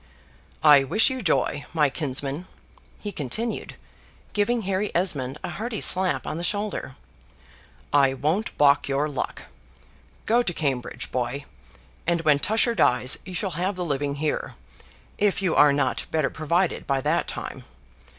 "I wish you joy, my kinsman," he continued, giving Harry Esmond a hearty slap on the shoulder. "I won't balk your luck. Go to Cambridge, boy, and when Tusher dies you shall have the living here, if you are not better provided by that time.